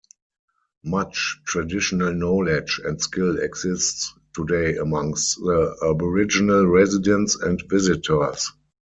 Much traditional knowledge and skill exists today amongst the Aboriginal residents and visitors.